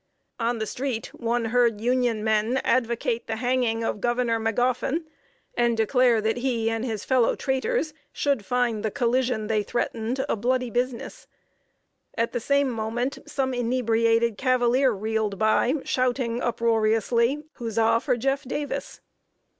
On the street, one heard Union men advocate the hanging of Governor Magoffin, and declare that he and his fellow traitors should find the collision they threatened a bloody business. At the same moment, some inebriated "Cavalier" reeled by, shouting uproariously "Huzza for Jeff. Davis!"